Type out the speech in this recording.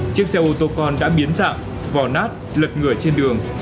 chiếc xe ô tô con đã biến dạng vò nát lật ngửa trên đường